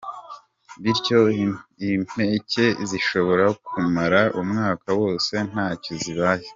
Bityo impeke zishobora kumara umwaka wose ntacyo zibaye.